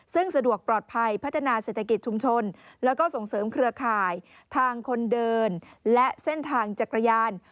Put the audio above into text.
ซึ่งสะดวกปลอดภัยพัฒนาเศรษฐกิจชุมชนแล้วก็ส่งเสริมเครือข่ายทางคนเดินและเส้นทางจักรยาน